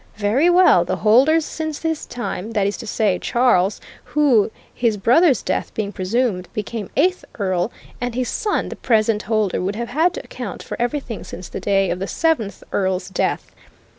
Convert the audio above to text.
Very well the holders since his time, that is to say, Charles, who, his brother's death being presumed, became eighth Earl, and his son, the present holder, would have had to account for everything since the day of the seventh Earl's death.